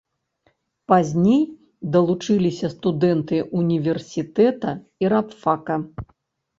Пазней далучыліся студэнты ўніверсітэта і рабфака.